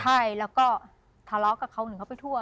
ใช่แล้วก็ทะเลาะกับเขาหนึ่งเขาไปทั่ว